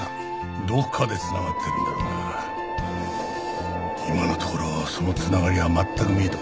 どこかでつながっているんだろうが今のところそのつながりは全く見えてこない。